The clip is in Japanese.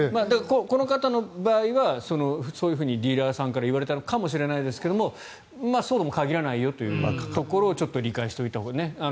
この方の場合はそういうふうにディーラーさんから言われたのかもしれないですがそうとも限らないよというところをちょっと理解していただいて。